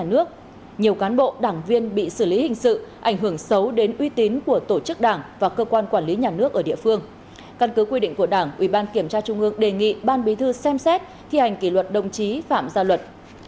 nhiều cán bộ đảng viên bị xử lý hình sự ảnh hưởng xấu đến uy tín của tổ chức đảng và cơ quan quản lý nhà nước ở địa phương căn cứ quy định của đảng ủy ban kiểm tra trung ương đề nghị ban bí thư xem xét thi hành kỷ luật đồng chí phạm gia luật